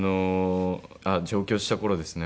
あっ上京した頃ですね